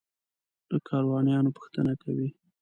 له کاروانیانو پوښتنه کوي.